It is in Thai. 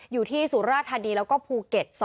อยู่ที่สุราธารณีแล้วก็ภูเก็ต